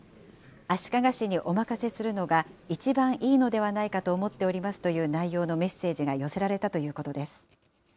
足利市にお任せするのが一番いいのではないかと思っておりますという内容のメッセージが寄せられたということです。